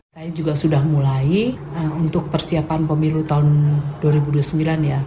saya juga sudah mulai untuk persiapan pemilu tahun dua ribu dua puluh sembilan ya